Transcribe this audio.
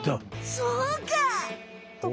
そうか！